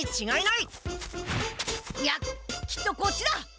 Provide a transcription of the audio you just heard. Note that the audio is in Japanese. いやきっとこっちだ！